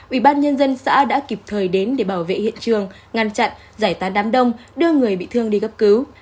ủy ban nhân dân xã đã kịp thời đến để bảo vệ hiện trường ngăn chặn giải tán đám đông đưa người bị thương đi gấp cứu